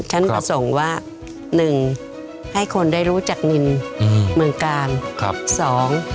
ฉันประสงค์ว่า๑ให้คนได้รู้จักนินเมืองกลาง